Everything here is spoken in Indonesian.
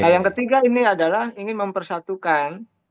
nah yang ketiga ini adalah ingin mempersatukan